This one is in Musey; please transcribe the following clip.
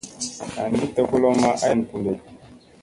Hangi tokolomma ay an ɓu ɗee.